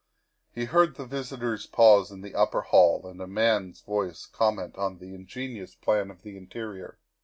He heard the visitors pause in the upper hall and a man's voice comment on the ingenious plan of the interior.